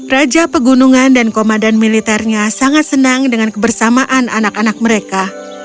raja pegunungan dan komandan militernya sangat senang dengan kebersamaan anak anak mereka